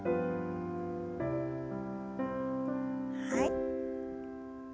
はい。